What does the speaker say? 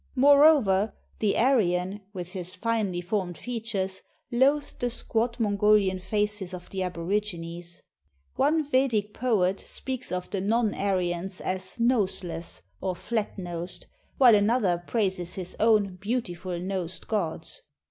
"' ^Moreover, the Ar} an, with his finely formed features, loathed the squat Mongolian faces of the Aborigines. One Vedic poet speaks of the non Ar} ans as ""noseless." or '"flat nosed," while another praises his o\mi ""beautiful nosed" gods.